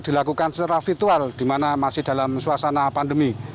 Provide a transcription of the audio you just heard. dilakukan secara virtual dimana masih dalam suasana pandemi